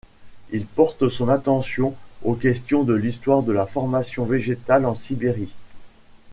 Il porte son attention aux questions de l'histoire de la formation végétale en Sibérie.